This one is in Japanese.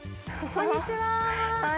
こんにちは。